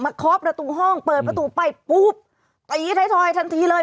มาคอบประตูห้องเปิดประตูไปปุ๊บไอ้ท้อยทันทีเลย